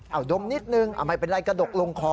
เอาดมนิดนึงไม่เป็นไรกระดกลงคอ